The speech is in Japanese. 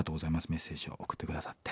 メッセージを送って下さって。